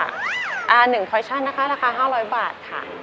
๑คอล์ฟวิชั่นนะคะราคา๕๐๐บาทค่ะ